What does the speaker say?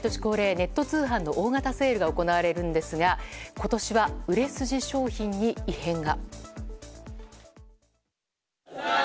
ネット通販の大型セールが行われるんですが今年は売れ筋商品に異変が。